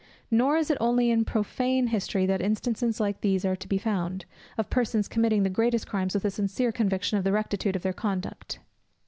Nor is it only in prophane history that instances like these are to be found, of persons committing the greatest crimes with a sincere conviction of the rectitude of their conduct.